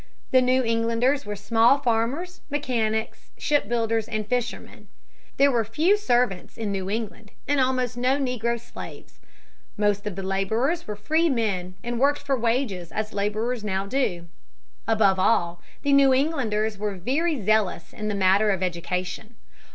The New Englanders were small farmers, mechanics, ship builders, and fishermen. There were few servants in New England and almost no negro slaves. Most of the laborers were free men and worked for wages as laborers now do. Above all, the New Englanders were very zealous in the matter of education.